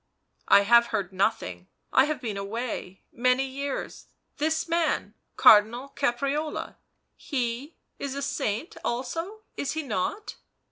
" I have heard nothing — I have been away — many years; this man, Cardinal Caprarola — he is a saint also — is he not?